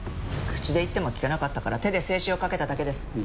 口で言っても聞かなかったから手で制止をかけただけです。